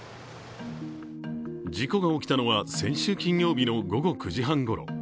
事故が起きたのは先週金曜日の午後９時半ごろ。